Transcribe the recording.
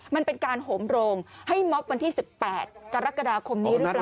มันเป็นการโหมโรงให้มอบวันที่๑๘กรกฎาคมนี้หรือเปล่า